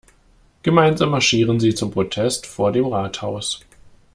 Gemeinsam marschieren sie zum Protest vor dem Rathaus.